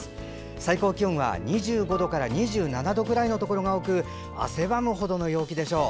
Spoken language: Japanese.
最高気温は２５度から２７度くらいのところが多く汗ばむほどの陽気でしょう。